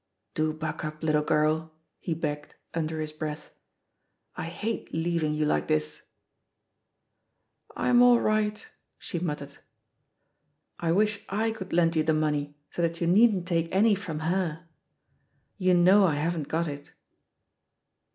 "Do buck up, little girl I" he begged, under his breath. "I hate lea\ang you like this.'* "I'm all right," she muttered. "I wish I could lend you the money, so that you needn't take any from her. You know I haven't got it?"